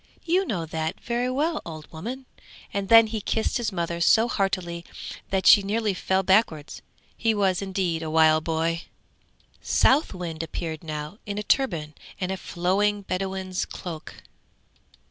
You know that very well, old woman!' and then he kissed his mother so heartily that she nearly fell backwards; he was indeed a wild boy. The Southwind appeared now in a turban and a flowing bedouin's cloak.